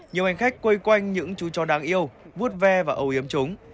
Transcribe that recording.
nhiều hành khách quây quanh những chú chó đáng yêu vút ve và ấu yếm chúng